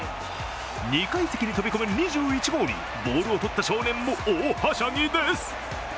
２階席に飛び込む２１号にボールをとった少年も大はしゃぎです。